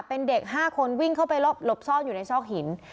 เป็นเด็ก๕คนวิ่งเข้าไปหลบซ่อนอยู่ในซอกหิน